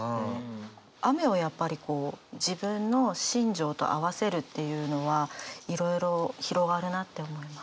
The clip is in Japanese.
雨をやっぱりこう自分の心情と合わせるっていうのはいろいろ広がるなって思います。